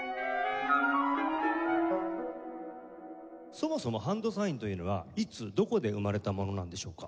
そもそもハンドサインというのはいつどこで生まれたものなんでしょうか？